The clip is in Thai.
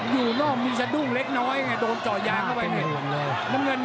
อยู่นอกมีจุดดุ้งเล็กน้อยโดนจ่อยางเข้าไป